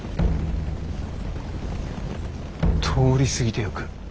通り過ぎていく。